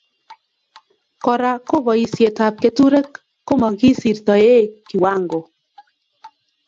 Kora ko boisietab keturek komokisirtoe kiwango